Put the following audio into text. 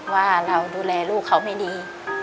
ว่าเราดูแลลูกเขาไม่ดี